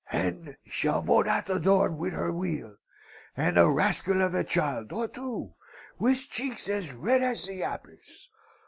"'And Javotte at the door with her wheel, and a rascal of a child, or two, with cheeks as red as the apples!